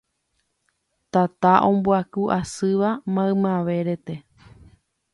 Tata ombyaku asýva maymave rete